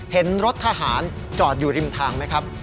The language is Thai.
เห็นรถทหารจอดอยู่ริมทางไหมครับ